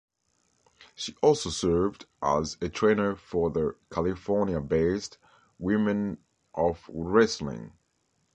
She also served as a trainer for the California-based Women of Wrestling.